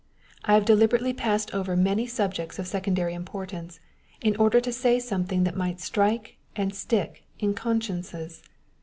I have de liberately passed over many subjects of secondary importance, in order to say something that might strike and stick in consciences.